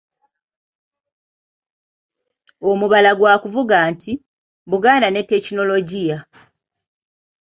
Omubala gwa kuvuga nti,"Buganda ne tekinologiya".